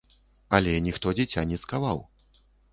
Але ніхто дзіця не цкаваў.